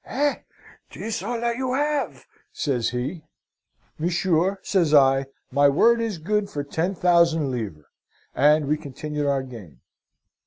"'Eh! 'tis all that you have!' says he. "'Monsieur,' says I, 'my word is good for ten thousand livres;' and we continued our game.